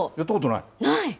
ない。